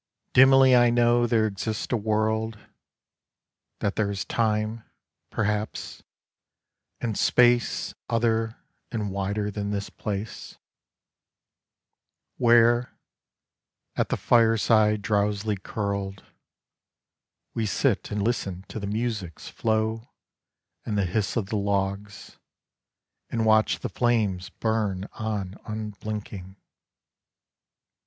Dimly I know there exists a world, That there is time, perhaps, and space Other and wider than this place, Where, at the fire side drowsily curled, We sit and listen to the music's flow And the hiss of the logs, and watch the flames Burn on unblinking.